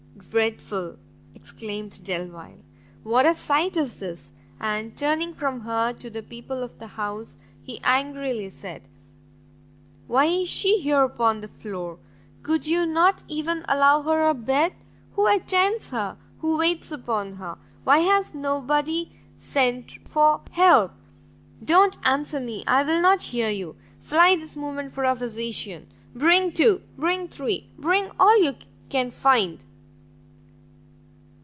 dreadful!" exclaimed Delvile, "what a sight is this!" and turning from her to the people of the house, he angrily said, "why is she here upon the floor? could you not even allow her a bed? Who attends her? Who waits upon her? Why has nobody sent for help? Don't answer me, I will not hear you, fly this moment for a physician, bring two, bring three bring all you can find?"